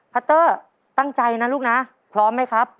ัตเตอร์ตั้งใจนะลูกนะพร้อมไหมครับ